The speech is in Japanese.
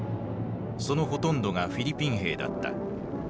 そのほとんどがフィリピン兵だった。